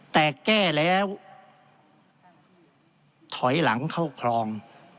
แต่แก้แล้วถอยหลังเข้าคลอง